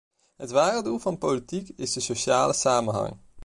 Het ware doel van de politiek is de sociale samenhang.